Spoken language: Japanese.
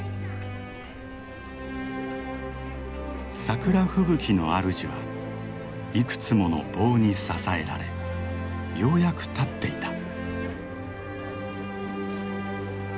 桜吹雪のあるじはいくつもの棒に支えられようやく立っていた。